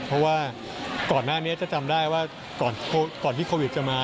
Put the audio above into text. เพราะว่าก่อนหน้านี้จะจำได้ว่าก่อนที่โควิดจะมา